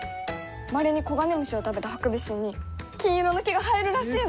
まれにコガネムシを食べたハクビシンに金色の毛が生えるらしいの！